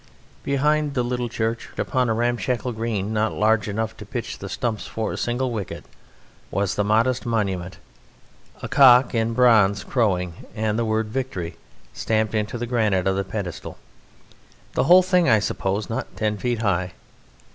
Behind the little church, upon a ramshackle green not large enough to pitch the stumps for single wicket, was the modest monument, a cock in bronze, crowing, and the word "Victory" stamped into the granite of the pedestal; the whole thing, I suppose, not ten feet high.